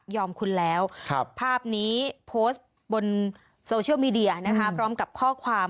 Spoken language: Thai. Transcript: คุณแล้วภาพนี้โพสต์บนโซเชียลมีเดียนะคะพร้อมกับข้อความ